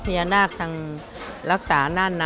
มีหลานชายคนหนึ่งเขาไปสื่อจากคำชโนธ